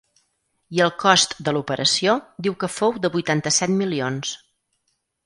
I el cost de l’operació diu que fou de vuitanta-set milions.